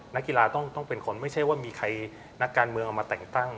นักกีฬาต้องเป็นคนไม่ใช่ว่ามีใครนักการเมืองเอามาแต่งตั้ง